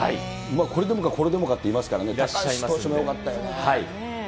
これでもか、これでもかっていますからね、よかったよね。